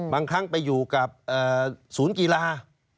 บางครั้งไปอยู่กับศูนย์กีฬา